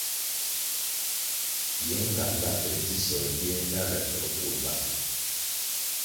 Ye ngambala pe dzisoh yiéh ndtaluer o bur bang.